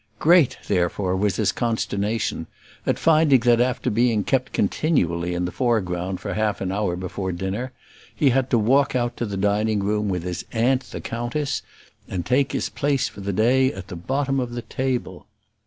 Great, therefore, was his consternation at finding that, after being kept continually in the foreground for half an hour before dinner, he had to walk out to the dining room with his aunt the countess, and take his father's place for the day at the bottom of the table.